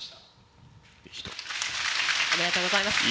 ありがとうございます。